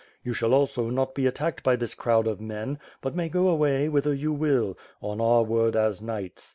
You shall also not be attacked by this crowd of men, but may go away, whither you will — on our word as knights.